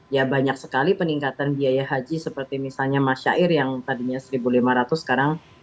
ya banyak sekali peningkatan biaya haji seperti misalnya mas syair yang tadinya satu lima ratus sekarang